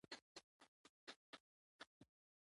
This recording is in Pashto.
ناوې او زوم وکولی شي د خوښۍ لومړۍ شپه تېره کړي.